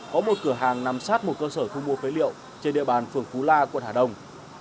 có một cửa hàng nằm sát một cơ sở thu mua phế liệu trên địa bàn phường phú la quận hà đông